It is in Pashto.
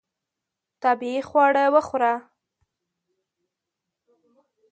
طبیعي خواړه وخوره.